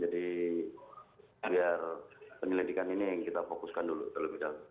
jadi biar penyelidikan ini yang kita fokuskan dulu